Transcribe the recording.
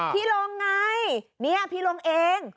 พี่โรงไงเนี่ยพี่โรงเอง